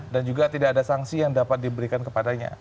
dan juga tidak ada sanksi yang dapat diberikan kepadanya